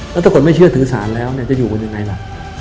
แล้วถ้าคนไม่เชื่อถือสารแล้วเนี่ยจะอยู่บนยังไงล่ะ